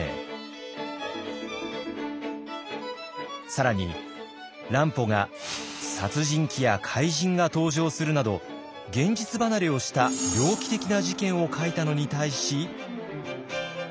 更に乱歩が殺人鬼や怪人が登場するなど現実離れをした猟奇的な事件を書いたのに対し。